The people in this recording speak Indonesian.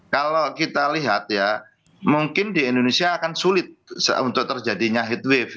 kalau kita lihat ya mungkin di indonesia akan sulit untuk terjadinya headwave